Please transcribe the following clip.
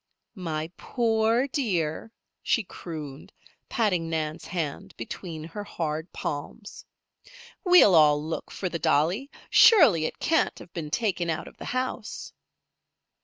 "My poor dear!" she crooned, patting Nan's hand between her hard palms. "We'll all look for the dolly. Surely it can't have been taken out of the house."